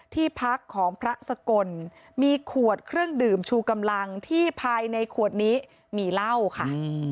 ที่พักของพระสกลมีขวดเครื่องดื่มชูกำลังที่ภายในขวดนี้มีเหล้าค่ะ